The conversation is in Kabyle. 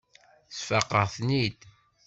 Sfaqeɣ-ten-id.